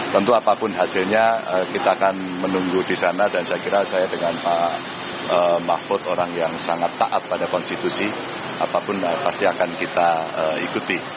tentu apapun hasilnya kita akan menunggu di sana dan saya kira saya dengan pak mahfud orang yang sangat taat pada konstitusi apapun pasti akan kita ikuti